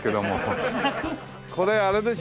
これあれでしょ？